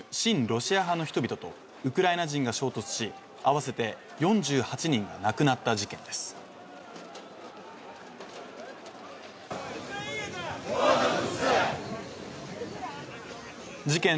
ロシア派の人々とウクライナ人が衝突し合わせて４８人が亡くなった事件です事件